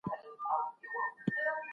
په سرو اوښکو یې